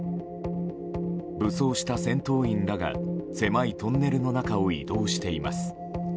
武装した戦闘員らが狭いトンネルの中を移動しています。